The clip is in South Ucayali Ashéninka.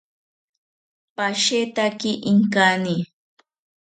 Pashetaki inkani